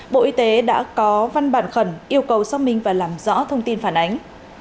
bộ y tế đã có văn bản khẩn yêu cầu xác minh và làm rõ thông tin phản ánh